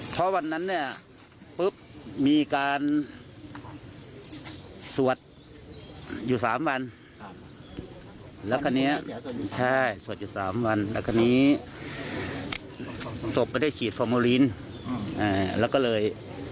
เพราะวันนั้นเนี่ยปุ๊บมีการสวดอยู่๓วันแล้วคราวนี้ใช่สวดอยู่๓วันแล้วคราวนี้ศพก็ได้ฉีดฟอร์โมลินแล้วก็เลย